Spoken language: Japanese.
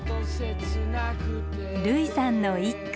類さんの一句。